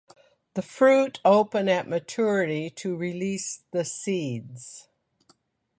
The fruit open at maturity to release the seeds.